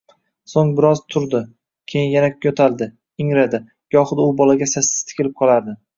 Soʻng biroz turdi, keyin yana yoʻtaldi, ihradi. Gohida u bolaga sassiz tikilib qolardi.